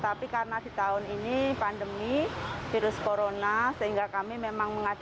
antara pihak gereja dengan masjid